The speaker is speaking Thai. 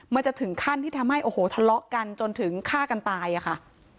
มันจะถึงขั้นที่ทำให้โอ้โหทะเลาะกันจนถึงฆ่ากันตายอะค่ะ